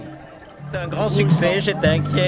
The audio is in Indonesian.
ini adalah sukses yang besar